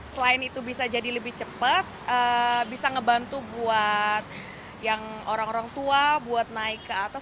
selain itu bisa jadi lebih cepat bisa ngebantu buat yang orang orang tua buat naik ke atas